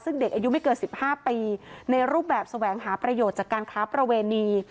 ซึ่งเด็กอายุไม่เกิน๑๕ปีในรูปแบบแสวงหาประโยชน์จากการค้าประเวณี